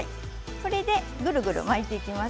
これでぐるぐる巻いていきます。